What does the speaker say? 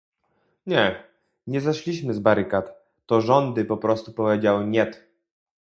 Nie, nie zeszliśmy z barykad, to rządy po prostu powiedziały "niet"